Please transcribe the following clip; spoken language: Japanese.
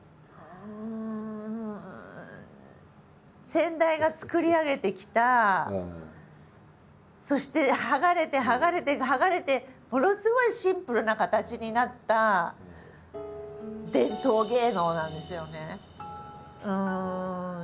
先代が作り上げてきたそして剥がれて剥がれて剥がれてものすごいシンプルな形になった伝統芸能なんですよね。